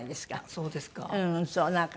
そうですか？